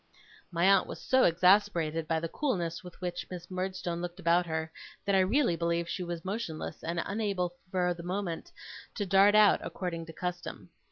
My aunt was so exasperated by the coolness with which Miss Murdstone looked about her, that I really believe she was motionless, and unable for the moment to dart out according to custom.